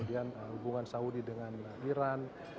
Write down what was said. kemudian hubungan saudi dengan iran